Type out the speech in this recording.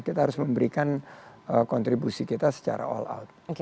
kita harus memberikan kontribusi kita secara all out